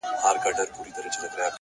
هوډ د ستونزو سیوري کموي،